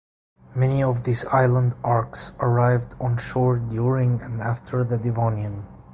Many of these island arcs arrived onshore during and after the Devonian.